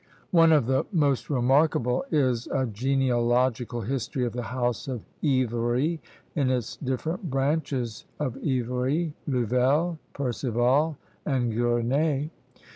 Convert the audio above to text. One of the most remarkable is "A Genealogical History of the House of Yvery, in its different branches of Yvery, Luvel, Perceval, and Gournay."